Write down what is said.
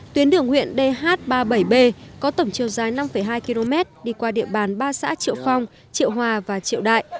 tuyến đường huyện dh ba mươi bảy b có tổng chiều dài năm hai km đi qua địa bàn ba xã triệu phong triệu hòa và triệu đại